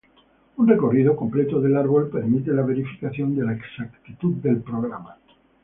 Un recorrido completo del árbol permite la verificación de la exactitud del programa.